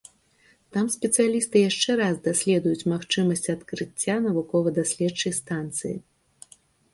Там спецыялісты яшчэ раз даследуюць магчымасць адкрыцця навукова-даследчай станцыі.